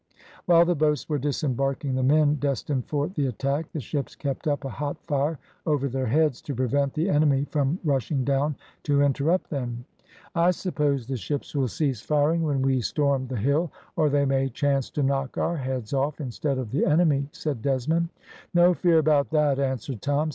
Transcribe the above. While the boats were disembarking the men destined for the attack, the ships kept up a hot fire over their heads, to prevent the enemy from rushing down to interrupt them. "I suppose the ships will cease firing when we storm the hill, or they may chance to knock our heads off instead of the enemy," said Desmond. "No fear about that," answered Tom.